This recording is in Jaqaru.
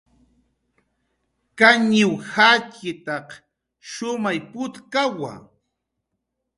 Kañiw akuq shumay putkawa